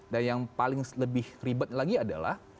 dan yang paling lebih ribet lagi adalah